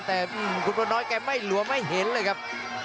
แต่กุฎวน้อยแกไม่หลัวไม่เห็นเลยครับ